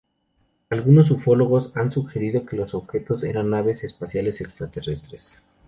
Algunos ufólogos han sugerido que los objetivos eran naves espaciales extraterrestres.